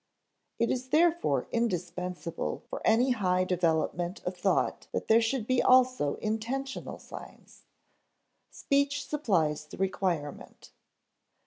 ] It is therefore indispensable for any high development of thought that there should be also intentional signs. Speech supplies the requirement.